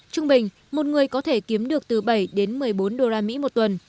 trung bình một người có thể kiếm được từ bảy đến một mươi bốn đô la mỹ một tuần